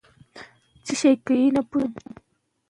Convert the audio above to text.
هغه د هند د مغول پاچا ملاتړ وکړ.